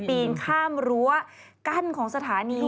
ปีนข้ามรั้วกั้นของสถานี